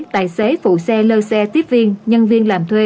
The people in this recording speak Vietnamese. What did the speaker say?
tài xế phụ xe lơ xe tiếp viên nhân viên làm thuê